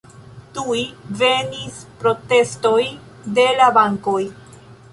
Tuj venis protestoj de la bankoj.